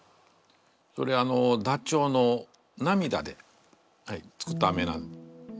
それダチョウの涙で作ったアメなんです。